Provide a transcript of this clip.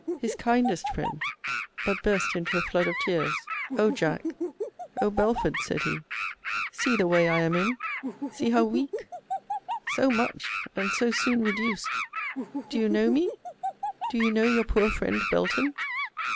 his kindest friend! but burst into a flood of tears: O Jack! O Belford! said he, see the way I am in! See how weak! So much, and so soon reduced! Do you know me? Do you know your poor friend Belton?